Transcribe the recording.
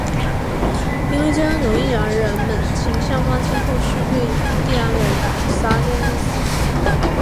因为这样容易让人们倾向忘记后续对印第安人的杀戮历史。